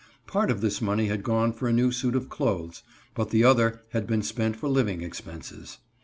Part of this money had gone for a new suit of clothes, but the other had been spent for living expenses.